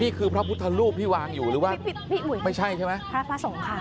นี่คือพระพุทธรูปที่วางอยู่หรือว่าพี่อุ๋ยไม่ใช่ใช่ไหมพระพระสงฆ์ค่ะ